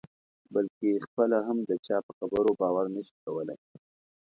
بلکې خپله هم د چا په خبرو باور نه شي کولای.